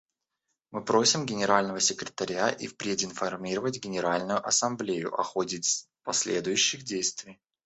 Мы просим Генерального секретаря и впредь информировать Генеральную Ассамблею о ходе последующих действий.